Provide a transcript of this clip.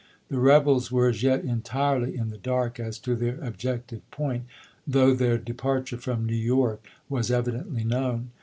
The rebels were as yet entirely in the dark as to their objective point, though their de parture from New York was evidently known.